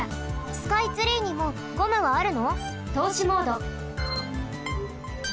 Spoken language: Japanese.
スカイツリーにもゴムはあるの？とうしモード。